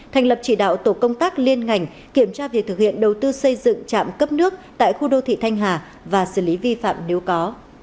thành lập chỉ đạo tổ công tác liên ngành kiểm tra việc thực hiện đầu tư xây dựng trạm cấp nước tại khu đô thị thanh hà và xử lý vi phạm nếu có